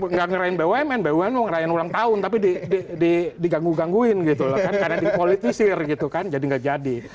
nggak ngerahin bumn bumn mau ngerain ulang tahun tapi diganggu gangguin gitu loh kan karena dipolitisir gitu kan jadi nggak jadi